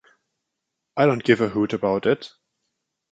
I don't give a hoot about it.